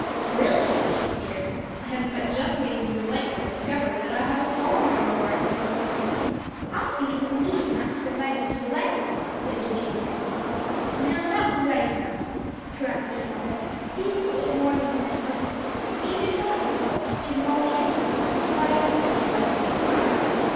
"Really," she sneered, "I have but just made the delightful discovery that I have a Solomon among my sons!" "I think it was mean not to invite us to the wedding," said Virginia. "No; that was right enough," corrected her mother; "being in deep mourning for her husband, she could not, of course, give Molly anything but the quietest sort of wedding."